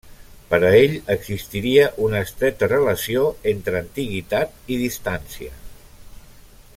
Per a ell, existiria una estreta relació entre antiguitat i distància.